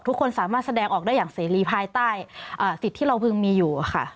ทุกคนสามารถแสดงออกได้อย่างเสรีภายใต้สิทธิ์ที่เราพึงมีอยู่ค่ะ